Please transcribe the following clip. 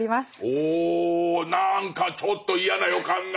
おお何かちょっと嫌な予感が。